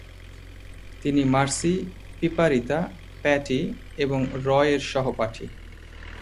তিনি mercy, পিপারিতা patty এবং রয় এর সহপাঠী।